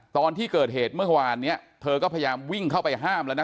ตอนที่เกิดเหตุเมื่อวานนี้เธอก็พยายามวิ่งเข้าไปห้ามแล้วนะ